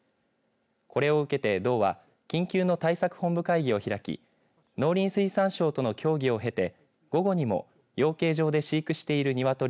これを受けて道は緊急の対策本部会議を開き農林水産省との協議をへて午後にも養鶏場で飼育している鶏